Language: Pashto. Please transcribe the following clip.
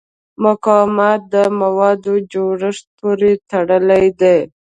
مقاومت د موادو جوړښت پورې تړلی دی.